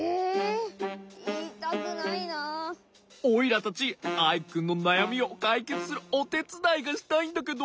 オイラたちアイくんのなやみをかいけつするおてつだいがしたいんだけど。